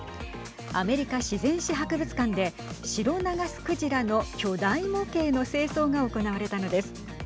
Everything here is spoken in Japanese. アメリカ自然史博物館でシロナガスクジラの巨大模型の清掃が行われたのです。